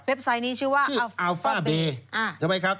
ไซต์นี้ชื่อว่าอัลฟ่าเบย์ใช่ไหมครับ